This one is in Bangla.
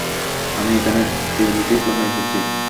আমি এখানে ট্রিনিটির জন্য এসেছি।